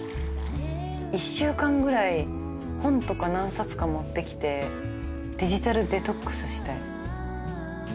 １週間ぐらい本とか何冊か持ってきてデジタルデトックスしたい。